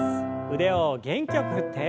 腕を元気よく振って。